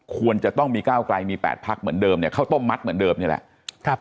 ควรจะต้องมีก้าวไกลมี๘พักเหมือนเดิมเนี่ยข้าวต้มมัดเหมือนเดิมนี่แหละ